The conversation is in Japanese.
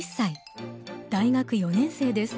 大学４年生です。